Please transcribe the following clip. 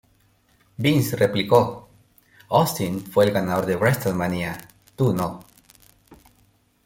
Vince replicó ""Austin fue el ganador de WrestleMania... tú no"".